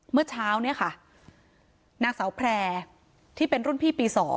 เมื่อเช้าเนี่ยค่ะนางสาวแพร่ที่เป็นรุ่นพี่ปี๒